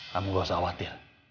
kamu gak usah khawatir